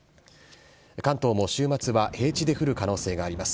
関東も週末は平地で降る可能性があります。